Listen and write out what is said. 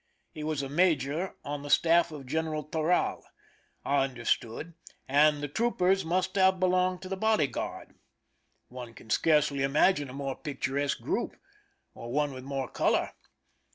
He was a major on the staff of General Toral, I understood, and the troopers must have belonged to the body guard. One can scarcely imagine a more picturesque group, or one with more color.